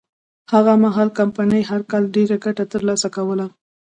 هغه مهال کمپنۍ هر کال ډېره ګټه ترلاسه کوله.